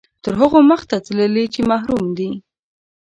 تر هغو مخته تللي چې محروم دي.